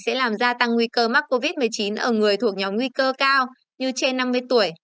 sẽ làm gia tăng nguy cơ mắc covid một mươi chín ở người thuộc nhóm nguy cơ cao như trên năm mươi tuổi